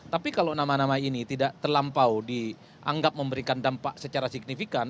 tapi kalau nama nama ini tidak terlampau dianggap memberikan dampak secara signifikan